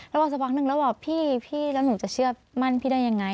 แล้วบอกสักพักนึงแล้วบอกพี่พี่แล้วหนูจะเชื่อมั่นพี่ได้ยังไง